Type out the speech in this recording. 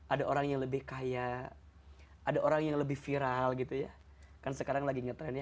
ada orang yang lebih kaya ada orang yang lebih viral gitu ya kan sekarang lagi ngetrendnya